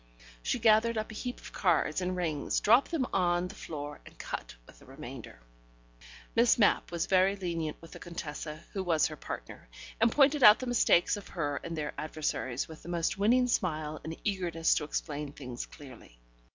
She gathered up a heap of cards and rings, dropped them on the floor, and cut with the remainder. Miss Mapp was very lenient with the Contessa, who was her partner, and pointed out the mistakes of her and their adversaries with the most winning smile and eagerness to explain things clearly.